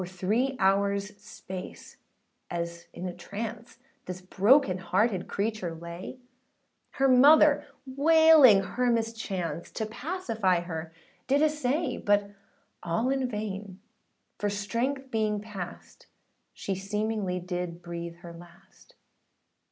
For three hoursâ space, as in a trance, This broken hearted creature lay, Her mother wailing her mischance, To pacify her did essay: But all in vain, for strength being past, She seemingly did breathe her last.